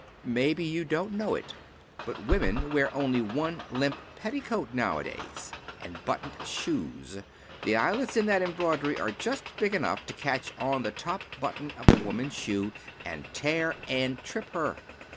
Maybe you don't know it, but women wear only one limp petticoat nowadays. And buttoned shoes. The eyelets in that embroidery are just big enough to catch on the top button of a woman's shoe, and tear, and trip her.